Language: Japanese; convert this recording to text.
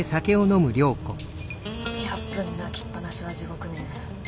１００分泣きっぱなしは地獄ね。